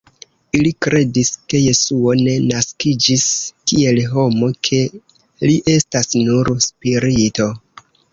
Ili kredis, ke Jesuo ne naskiĝis kiel homo, ke li estas nur spirito.